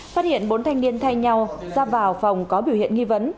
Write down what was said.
phát hiện bốn thanh niên thay nhau ra vào phòng có biểu hiện nghi vấn